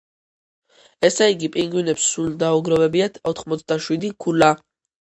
ესე იგი, პინგვინებს სულ დაუგროვებიათ ოთხმოცდაშვიდი ქულა.